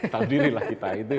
tahu diri lah kita